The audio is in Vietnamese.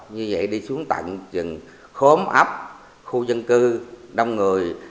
như vậy đi xuống tận rừng khốm ấp khu dân cư đông người